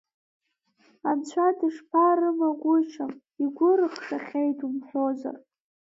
Анцәа дышԥарымагәышьам, игәы рыхшәахьеит умҳәозар.